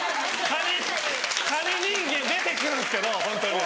カニ人間出てくるんですけどホントに。